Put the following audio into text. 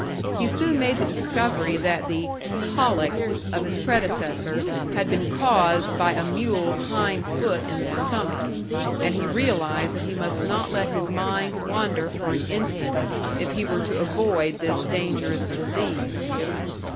He soon made the discovery that the "colic" of his predecessor had been caused by a mule's hind foot in the stomach; and he realised that he must not let his mind wander for an instant, if he were to avoid this dangerous disease.